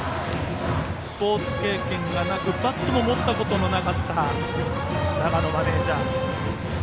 スポーツ経験がなくバットも持ったことのなかった永野マネージャー。